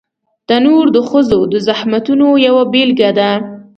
تنور د ښځو د زحمتونو یوه بېلګه ده